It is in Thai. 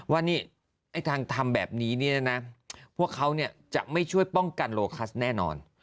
ว่านี่ไอ้ทางทำแบบนี้เนี่ยนะพวกเขาจะไม่ช่วยป้องกันโลคัสแน่นอน